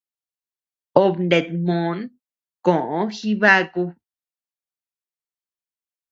Obe nata mòn koʼo Jibaku.